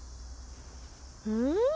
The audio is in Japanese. うん？